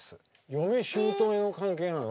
嫁姑の関係なの？